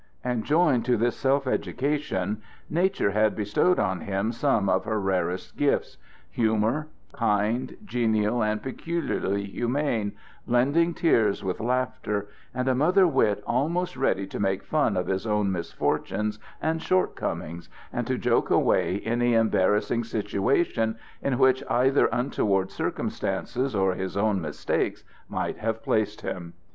And joined to this self education nature had bestowed on him some of her rarest gifts,—humor, kind, genial, and peculiarly humane, blending tears with laughter, and a mother wit always ready to make fun of his own misfortunes and shortcomings, and to joke away any embarrassing situation in which either untoward circumstances or his own mistakes might have placed him.